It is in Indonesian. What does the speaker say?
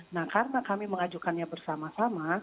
nah karena kami mengajukannya bersama sama